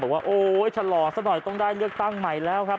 ว่าโอ๊ยชะลอสักหน่อยต้องได้เลือกตั้งใหม่แล้วครับ